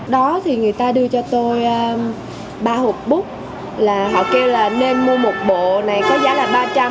đó thì người ta đưa cho tôi ba hộp bút là họ kêu là nên mua một bộ này có giá là ba trăm linh